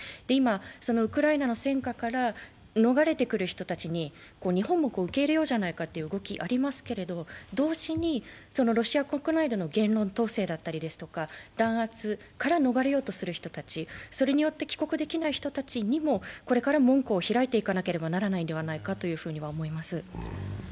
今、ウクライナの戦火から逃れてくる人たちに日本も受け入れようじゃないかという動きがありますけれども同時にロシア国内での言論統制だったりとかですとか弾圧から逃れようとする人たち、それによって帰国できない人たちにもこれから門戸を開いていかなければならないのではないかと思います。